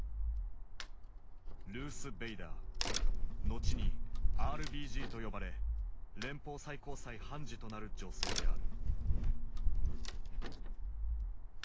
後に「ＲＢＧ」と呼ばれ連邦最高裁判事となる女性である。